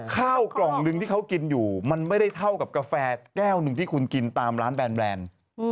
ข้าวกล่องหนึ่งที่เขากินอยู่มันไม่ได้เท่ากับกาแฟแก้วหนึ่งที่คุณกินตามร้านแบน